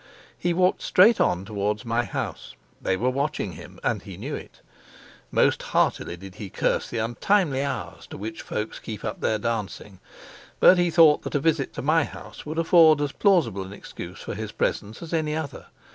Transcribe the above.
He walked straight on towards my house; they were watching him, and he knew it. Most heartily did he curse the untimely hours to which folks keep up their dancing, but he thought that a visit to my house would afford as plausible an excuse for his presence as any other.